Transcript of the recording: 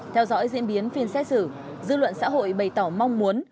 theo dõi diễn biến phiên xét xử dư luận xã hội bày tỏ mong muốn